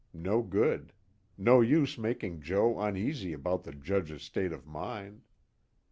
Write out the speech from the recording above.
No good. No use making Joe uneasy about the Judge's state of mind.